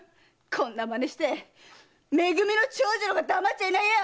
こんな真似してめ組の長次郎が黙っちゃいないよ！